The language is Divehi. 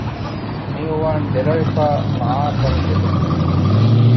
މިއުވާން ދެރަވެފައި މަޢާފަށް އެދުން